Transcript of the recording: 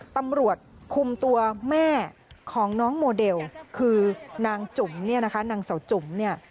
ตำรวจคุมตัวแม่ของน้องโมเดลคือนางจุ๋มเนี่ยนะคะนางเสาจุ๋มเนี่ย